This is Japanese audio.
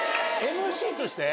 ＭＣとして？